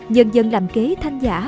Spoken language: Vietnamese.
nhân dân làm kế thanh giả